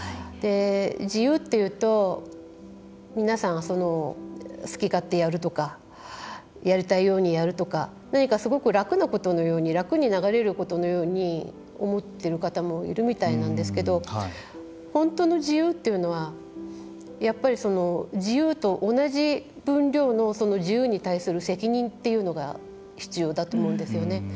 自由というと皆さん、好き勝手やるとかやりたいようにやるとか何か、すごく楽なことのように楽に流れることのように思っている方もいるみたいなんですけれども本当の自由というのはやっぱり自由と同じ分量の自由に対する責任というのが必要だと思うんですよね。